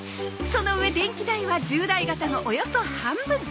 その上電気代は従来型のおよそ半分。